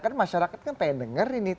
kan masyarakat kan pengen dengar ini